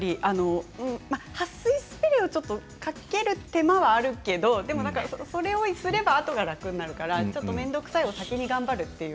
はっ水スプレーをちょっとかける手間はあるけれどそれをすればあとが楽になるから面倒くさいを先に頑張るという。